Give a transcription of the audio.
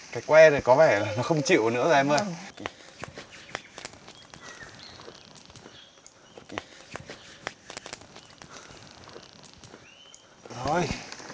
cái que này có vẻ là nó không chịu nữa rồi em ơi